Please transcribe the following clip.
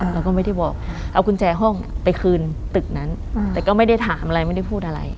เราก็ไม่ได้บอกเอากุญแจห้องไปคืนตึกนั้นแต่ก็ไม่ได้ถามอะไรไม่ได้พูดอะไร